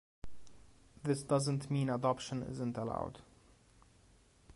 This doesn't mean adoption isn't allowed.